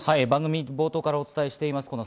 番組冒頭からお伝えしています。